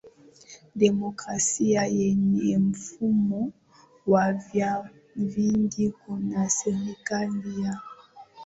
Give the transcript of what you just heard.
demokrasia yenye mfumo wa vyama vingi Kuna serikali ya